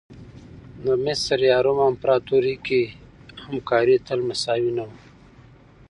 د مصر یا روم امپراتوري کې همکاري تل مساوي نه وه.